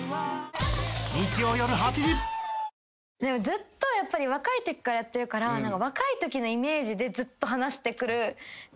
ずっとやっぱり若いときからやってるから若いときのイメージでずっと話してくる方とかいて。